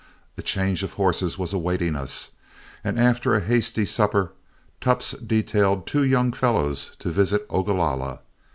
A change of horses was awaiting us, and after a hasty supper Tupps detailed two young fellows to visit Ogalalla.